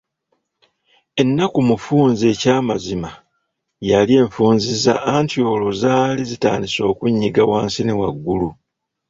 Ennaku mufunza eky'amazima yali enfunzizza anti olwo zaali zitandise okunnyiga wansi ne waggulu.